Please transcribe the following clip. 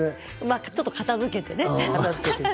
ちょっと片づけてね。